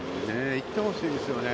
いってほしいですよね。